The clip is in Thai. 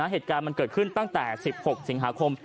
เหตุการณ์มันเกิดขึ้นตั้งแต่๑๖สิงหาคม